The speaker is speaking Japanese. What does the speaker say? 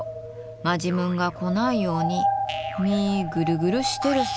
マジムンが来ないようにみぐるぐるしてるさ。